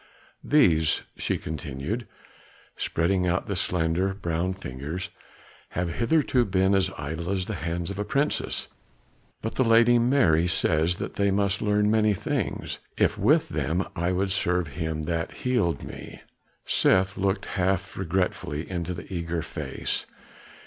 "These," she continued, spreading out the slender brown fingers, "have hitherto been as idle as the hands of a princess, but the lady Mary says that they must learn many things, if with them I would serve him that healed me." Seth looked half regretfully into the eager face.